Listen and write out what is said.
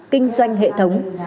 kinh doanh hệ thống